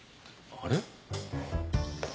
あれ？